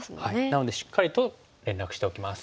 なのでしっかりと連絡しておきます。